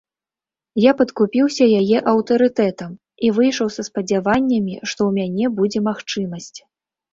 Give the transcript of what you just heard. Я падкупіўся яе аўтарытэтам і выйшаў са спадзяваннямі, што ў мяне будзе магчымасць.